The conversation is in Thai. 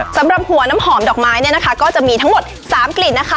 สำหรับหัวน้ำหอมดอกไม้เนี่ยนะคะก็จะมีทั้งหมด๓กลิ่นนะคะ